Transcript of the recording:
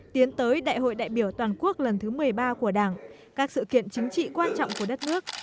tiến tới đại hội đại biểu toàn quốc lần thứ một mươi ba của đảng các sự kiện chính trị quan trọng của đất nước